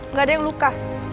nggak ada yang luka